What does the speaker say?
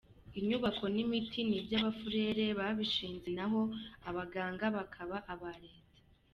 Inyubako n’imiti ni iby’abafurere babishinze naho abaganga bakaba aba Leta.